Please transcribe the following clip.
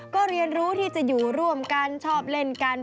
ก็เรียนรู้ที่จะอยู่ร่วมกันชอบเล่นกัน